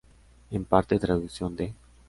En parte, traducción de